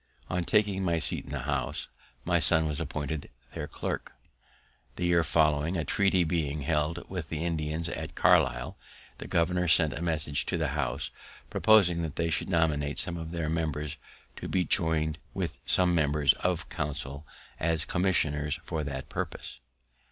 On taking my seat in the House, my son was appointed their clerk. The year following, a treaty being to be held with the Indians at Carlisle, the governor sent a message to the House, proposing that they should nominate some of their members, to be join'd with some members of council, as commissioners for that purpose.